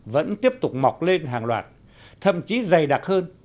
vẫn tiếp tục mọc lên hàng loạt thậm chí dày đặc hơn